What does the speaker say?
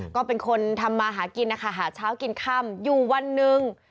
ก็เป็นคนทำมาหากินนะคะหาเช้ากินค่ำอยู่วันหนึ่ง